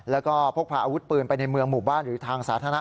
แล้วก็พกพาอาวุธปืนไปในเมืองหมู่บ้านหรือทางสาธารณะ